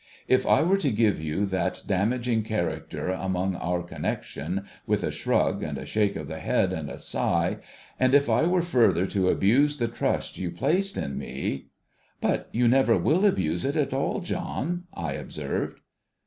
If I were to give you that damaging character among our connexion, with a shrug, and a shake of the head, and a sigh ; and if I were further to abuse the trust you place in me '' But you never will abuse it at all, John,' I observed.